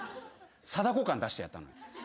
貞子感出してやったのよ。